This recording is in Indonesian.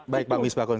baik bang misbah kun